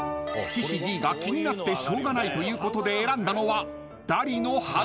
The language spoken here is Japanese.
［岸Ｄが気になってしょうがないということで選んだのは］